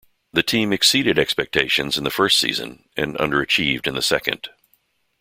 The team exceeded expectations in the first season and underachieved in the second.